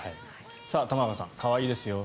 玉川さん、可愛いですよ。